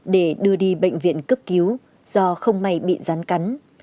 để đưa đi bệnh viện cấp cứu do không may bị rắn cắn